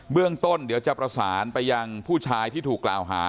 เรื่องต้นเดี๋ยวจะประสานไปยังผู้ชายที่ถูกกล่าวหา